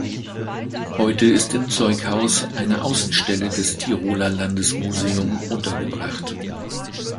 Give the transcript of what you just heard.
Heute ist im Zeughaus eine Außenstelle des Tiroler Landesmuseum untergebracht.